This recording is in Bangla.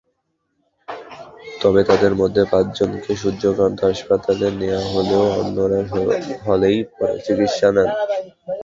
তবে তাঁদের মধ্যে পাঁচজনকে সূর্যকান্ত হাসপাতালে নেওয়া হলেও অন্যরা হলেই চিকিৎসা নেন।